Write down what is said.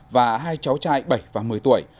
và hai cháu trai bảy và một mươi tuổi